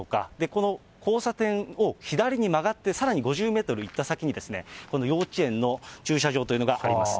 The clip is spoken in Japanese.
この交差点を左に曲がって、さらに５０メートル行った先に、この幼稚園の駐車場というのがあります。